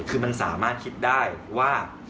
คือมันสามารถคิดได้ว่า